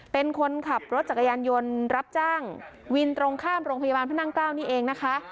เป็นคนขับรถจักรยานยนต์รับจ้างวินตรงข้ามโรงพยาบาลพระนั่งเกล้านี่เองนะคะ